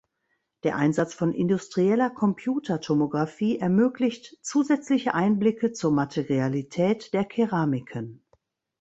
Der Einsatz von industrieller Computertomographie ermöglicht zusätzliche Einblicke zur Materialität der Keramiken.